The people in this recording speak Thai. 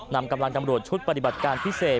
นำกำลังตำรวจชุดปฏิบัติการพิเศษ